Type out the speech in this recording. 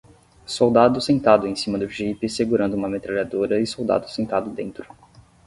Soldado sentado em cima do jipe segurando uma metralhadora e soldado sentado dentro.